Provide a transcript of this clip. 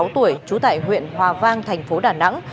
ba mươi sáu tuổi trú tại huyện hòa vang tp đà nẵng